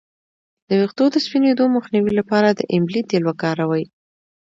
د ویښتو د سپینیدو مخنیوي لپاره د املې تېل وکاروئ